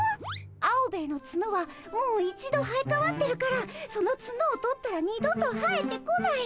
アオベエのツノはもう一度生えかわってるからそのツノを取ったら二度と生えてこない。